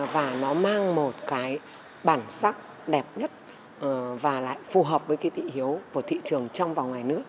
và nó mang một cái bản sắc đẹp nhất và lại phù hợp với cái thị hiếu của thị trường trong và ngoài nước